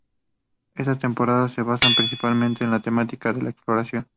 Estas temporadas se basa principalmente en la temática de la exploración.